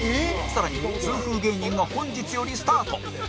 更に痛風芸人が本日よりスタート